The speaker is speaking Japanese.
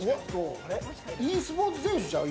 ｅスポーツ選手ちゃう？